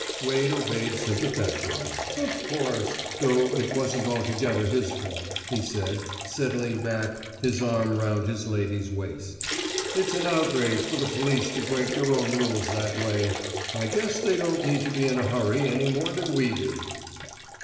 Wade obeyed sympathetically. "Of course, though, it wasn't altogether his fault," he said, settling back, his arm round his lady's waist. "It's an outrage for the police to break their own rules that way. I guess they don't need to be in a hurry any more than we do!"